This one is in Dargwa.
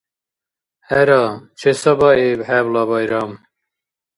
ХӀера, чесабаиб хӀебла байрам!